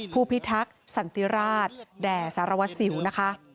พิทักษ์สันติราชแด่สารวัสสิวนะคะ